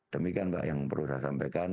demikian mbak yang perlu saya sampaikan